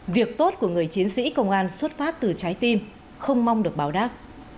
việc tốt của người chiến sĩ công an xuất phát từ trái tim không mong được báo đáp